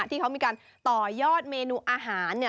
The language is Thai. ที่เขามีการต่อยอดเมนูอาหารเนี่ย